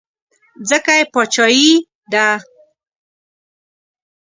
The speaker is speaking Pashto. ځکه یې باچایي ده.